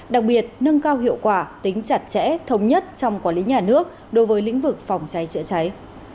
đặc biệt nâng cao hiệu quả tính chặt chẽ thống nhất trong quản lý nhà nước đối với lĩnh vực phòng cháy chữa cháy